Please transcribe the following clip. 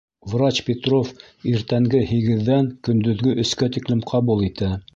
Врач Петров иртәнге һигеҙҙән көндөҙгө өскә тиклем ҡабул итә.